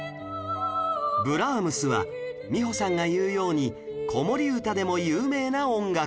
ブラームスは美穂さんが言うように『子守歌』でも有名な音楽家